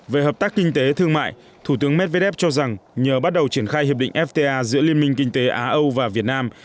về hợp tác kinh tế thương mại thủ tướng medvedev cho rằng nhờ bắt đầu triển khai hiệp định fta giữa liên minh kinh tế á âu và việt nam